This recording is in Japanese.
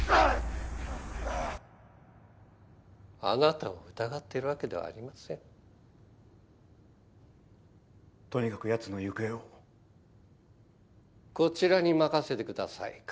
あなたを疑ってるわけではありませんとにかくヤツの行方をこちらに任せてください